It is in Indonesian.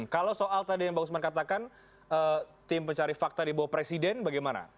kalau soal tadi yang pak usman katakan tim pencari fakta dibawa presiden bagaimana